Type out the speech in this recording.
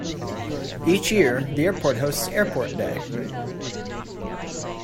Each year, the airport hosts Airport Day.